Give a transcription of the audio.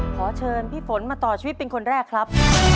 ขอเชิญพี่ฝนมาต่อชีวิตเป็นคนแรกครับ